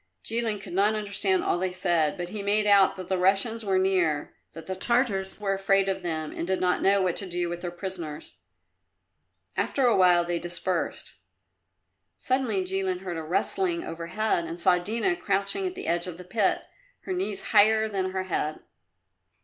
Jilin could not understand all they said, but he made out that the Russians were near, that the Tartars were afraid of them and did not know what to do with their prisoners. After a while they dispersed. Suddenly Jilin heard a rustling overhead and saw Dina crouching at the edge of the pit, her knees higher than her head.